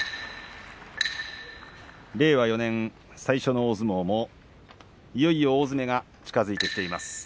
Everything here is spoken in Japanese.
令和４年、最初の大相撲もいよいよ大詰めが近づいてきています。